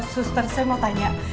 suster saya mau tanya